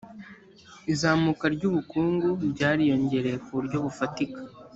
izamuka ry ubukungu ryariyongereye ku buryo bufatika